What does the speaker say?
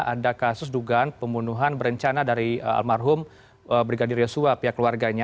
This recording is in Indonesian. ada kasus dugaan pembunuhan berencana dari almarhum brigadir yosua pihak keluarganya